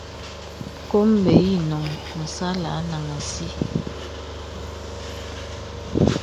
Kôm bə̀s inôŋ məsà àlə̀ anàŋha àsī.